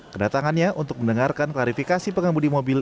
kedatangannya untuk mendengarkan klarifikasi pengemudi mobil